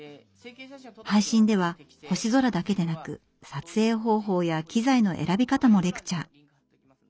配信では星空だけでなく撮影方法や機材の選び方もレクチャー。